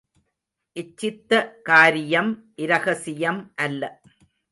இச்சித்த காரியம் இரகசியம் அல்ல,